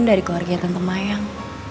dari keluarga tante mayang